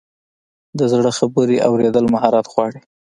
د زړه خبرې اورېدل مهارت غواړي.